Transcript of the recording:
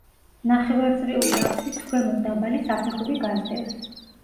ნახევარწრიული აფსიდს ქვემოთ დაბალი საფეხური გასდევს.